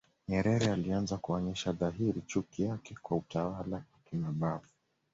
Nyerere alianza kuonyesha dhahiri chuki yake kwa utawala wa kimabavu